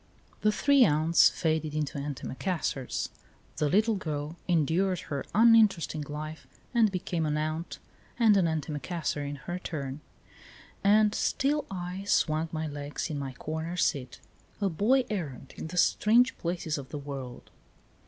The three aunts faded into antimacassars ; the little girl endured her uninteresting life and became an aunt and an antimacassar in her turn, and still I swung my legs in my corner seat, a boy errant in the strange places of the world.